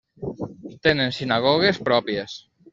Tenen sinagogues pròpies.